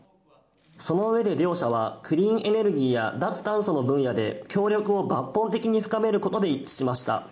その上で、両者はクリーンエネルギーや脱炭素の分野で協力を抜本的に深めることで一致しました。